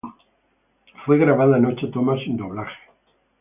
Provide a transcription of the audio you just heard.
Fue grabada en ocho tomas sin doblajes.